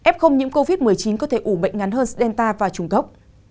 f nhiễm covid một mươi chín có thể ủ bệnh ngắn hơn delta và trung cốc